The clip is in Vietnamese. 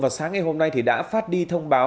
vào sáng ngày hôm nay đã phát đi thông báo